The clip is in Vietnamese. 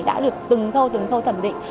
đã được từng khâu từng khâu thẩm định